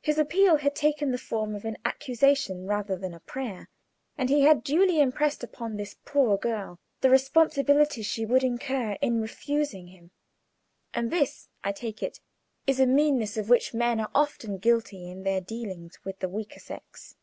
His appeal had taken the form of an accusation rather than a prayer, and he had duly impressed upon this poor girl the responsibility she would incur in refusing him. And this, I take it, is a meanness of which men are often guilty in their dealings with the weaker sex.